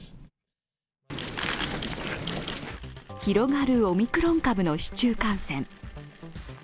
広がるオミクロン株の市中感染。